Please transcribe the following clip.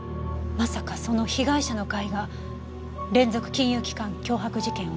まさかその被害者の会が連続金融機関脅迫事件を？